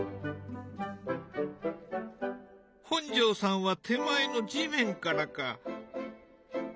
本上さんは手前の地面からか。